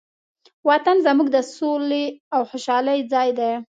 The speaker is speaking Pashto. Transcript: وطن زموږ د سولې او خوشحالۍ ځای دی.